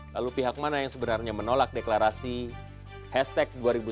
lalu pihak mana yang sebenarnya menolak deklarasi hashtag dua ribu dua puluh